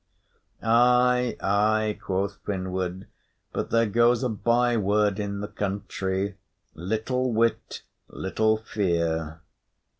"Ay, ay," quoth Finnward. "But there goes a byword in the country: Little wit, little fear."